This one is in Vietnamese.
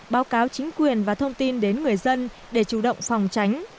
báo cáo chính quyền và thông tin đến người dân để chủ động phòng tránh